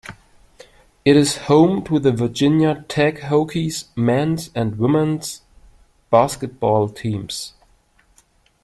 It is home to the Virginia Tech Hokies men's and women's basketball teams.